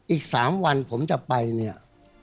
อีก๓วันผมจะไปเนี่ย